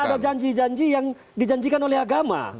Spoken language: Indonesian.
ada janji janji yang dijanjikan oleh agama